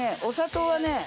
お砂糖はね。